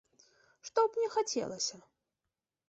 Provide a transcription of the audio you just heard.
Што б мне хацелася?